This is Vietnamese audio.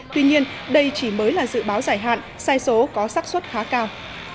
tuy nhiên đây chỉ mới là dự báo giải hạn sai số có sắc xuất khá cao